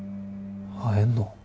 会えんの？